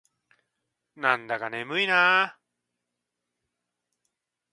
なんだか眠いな。